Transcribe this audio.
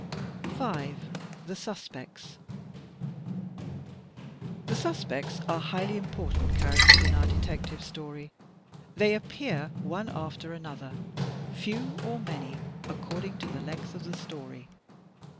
5. The Suspects The suspects are highly important characters in our Detect ive Story. They appear one after another, few or many, according to the length of the story.